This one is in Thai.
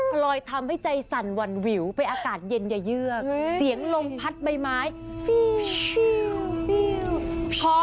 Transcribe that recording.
พอลอยทำให้ใจสั่นวันวิวไปอากาศเย็นเยื่อกเสียงลมพัดใบไม้ฟิ้วฟิ้วฟิ้ว